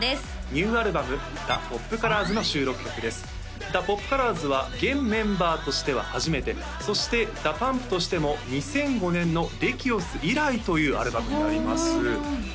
ニューアルバム「ＤＡＰＯＰＣＯＬＯＲＳ」の収録曲です「ＤＡＰＯＰＣＯＬＯＲＳ」は現メンバーとしては初めてそしてＤＡＰＵＭＰとしても２００５年の「ＬＥＱＵＩＯＳ」以来というアルバムになります